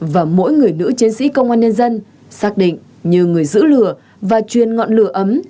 và mỗi người nữ chiến sĩ công an nhân dân xác định như người giữ lửa và truyền ngọn lửa ấm